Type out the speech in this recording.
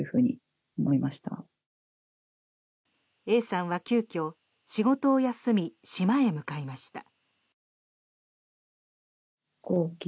Ａさんは急きょ、仕事を休み島へ向かいました。